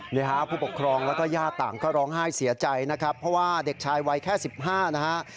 นี่ฮะผู้ปกครองแล้วก็ญาติต่างก็ร้องไห้เสียใจนะครับเพราะว่าเด็กชายวัยแค่๑๕นะฮะ